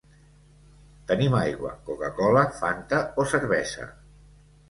Tenim aigua, coca-cola, fanta o cervesa.